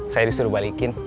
saya disuruh balikin